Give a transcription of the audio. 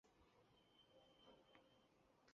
光绪三年在金陵书局校书。